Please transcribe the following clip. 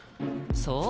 そう。